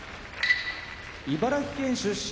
茨城県出身